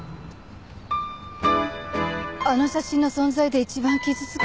あの写真の存在で一番傷つき